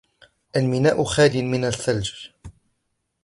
الميناء خالٍ من الثلج